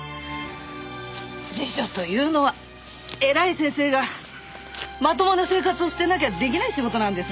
辞書というのは偉い先生がまともな生活を捨てなきゃできない仕事なんですね。